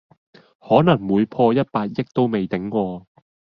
可能會破一百億都未頂喎